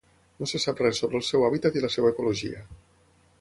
No se sap res sobre el seu hàbitat i la seva ecologia.